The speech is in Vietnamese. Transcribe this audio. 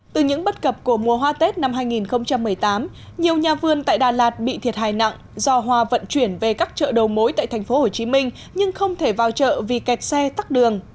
từ những bất cập của mùa hoa tết năm hai nghìn một mươi tám nhiều nhà vườn tại đà lạt bị thiệt hại nặng do hoa vận chuyển về các chợ đầu mối tại tp hcm nhưng không thể vào chợ vì kẹt xe tắt đường